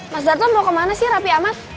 mas darto mau kemana sih rapi amat